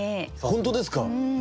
本当ですか？